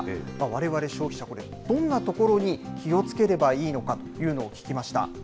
われわれ消費者、これ、どんなところに気をつければいいのかというのを聞きました。